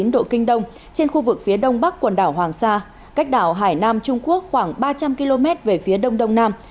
một chín độ kinh đông trên khu vực phía đông bắc quần đảo hoàng sa cách đảo hải nam trung quốc khoảng ba trăm linh km về phía đông đông nam